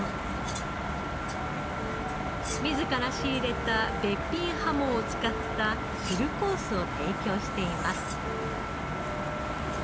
自ら仕入れたべっぴんハモを使ったフルコースを提供しています。